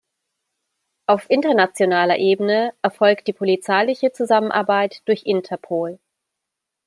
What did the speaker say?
Auf internationaler Ebene erfolgt die polizeiliche Zusammenarbeit durch Interpol.